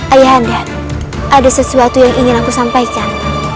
ayahanda ada sesuatu yang ingin aku sampaikan